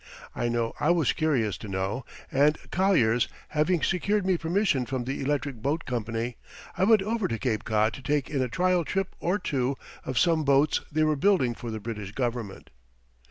I know I was curious to know, and, Collier's having secured me permission from the Electric Boat Company, I went over to Cape Cod to take in a trial trip or two of some boats they were building for the British Government.